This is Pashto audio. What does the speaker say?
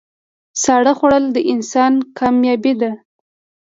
ساړه خوړل د انسان کامیابي ده.